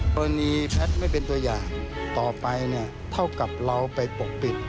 แพทย์ไม่เป็นตัวอย่างต่อไปเนี่ยเท่ากับเราไปปกปิด